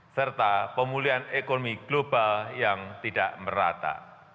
serta pemulihan ekonomi global yang tidak merata